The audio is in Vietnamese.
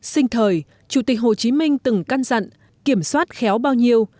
sinh thời chủ tịch hồ chí minh từng căn dặn kiểm soát khéo bao nhiêu